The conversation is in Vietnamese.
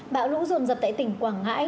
bão lũ rồn rập tại tỉnh quảng ngãi